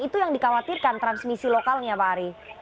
itu yang dikhawatirkan transmisi lokalnya pak ari